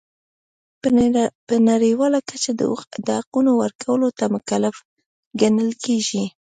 په نړیواله کچه د حقونو ورکولو ته مکلف ګڼل کیږي.